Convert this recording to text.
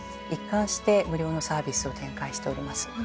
一貫して無料のサービスを展開しております。